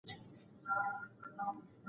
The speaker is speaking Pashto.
غواړم چې یو ګټور انسان واوسم.